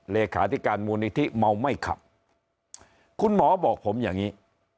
เลขาธิการมูลนิธิเมาไม่ขับคุณหมอบอกผมอย่างนี้